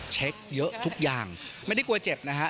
เช็คเยอะทุกอย่างไม่ได้กลัวเจ็บนะฮะ